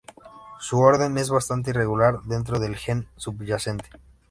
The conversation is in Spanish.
Su orden es bastante irregular dentro del gen subyacente.